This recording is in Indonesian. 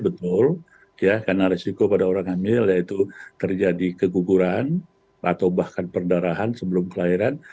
betul ya karena resiko pada orang hamil yaitu terjadi keguguran atau bahkan perdarahan sebelum kelahiran